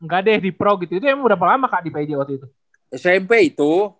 gak deh di pro gitu itu emang berapa lama lah de esta pj waktu itu